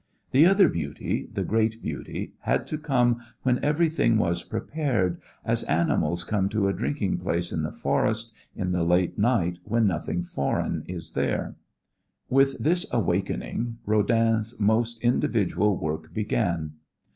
The other beauty, the great beauty, had to come when everything was prepared, as animals come to a drinking place in the forest in the late night when nothing foreign is there. With this awakening Rodin's most individual work began.